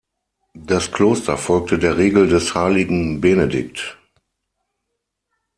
Das Kloster folgte der Regel des Heiligen Benedikt.